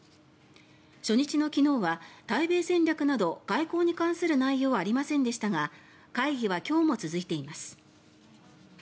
初日の昨日は対米戦略など外交に関する内容はありませんでしたが会議は今日も続いています。